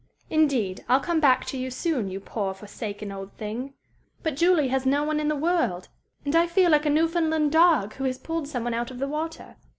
"Indeed, I'll come back to you soon, you poor, forsaken, old thing! But Julie has no one in the world, and I feel like a Newfoundland dog who has pulled some one out of the water.